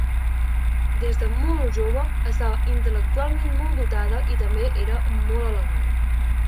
Des de molt jove estava intel·lectualment molt dotada i també era molt elegant.